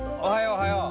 おはよう